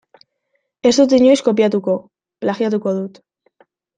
Ez dut inoiz kopiatuko, plagiatuko dut.